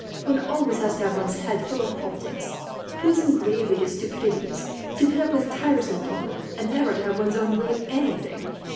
One always has to have one's head full of politics, to listen gravely to stupidities, to put up with tiresome people, and never to have one's own way in anything.